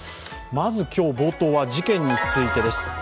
まず今日、冒頭は事件についてです。